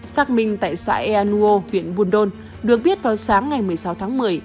xác minh tại xã ea nuo huyện buồn đôn được biết vào sáng ngày một mươi sáu tháng một mươi